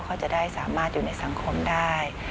เขาจะได้สามารถอยู่ในสังคมได้